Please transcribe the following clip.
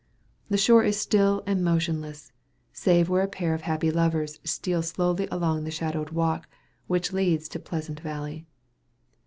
The shore is still and motionless, save where a pair of happy lovers steal slowly along the shadowed walk which leads to Pleasant Valley.